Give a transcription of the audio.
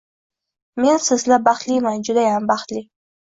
Men sizla baxtliman judayam baxtli